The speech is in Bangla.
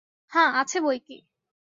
হাঁ আছে বৈকি।